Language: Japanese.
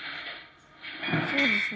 そうですね。